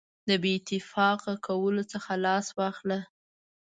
د بې اتفاقه کولو څخه لاس واخله.